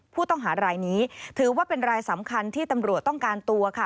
ผู้ต้องหารายนี้ถือว่าเป็นรายสำคัญที่ตำรวจต้องการตัวค่ะ